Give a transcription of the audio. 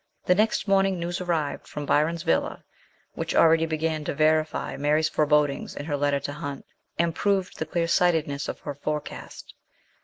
The next morning news arrived from Byron's villa^ which already began to verify Mary's forebodings in her letter to Hunt, and proved the clear sightedness of her forecast.